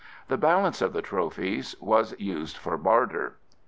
The balance of the trophies was used for barter.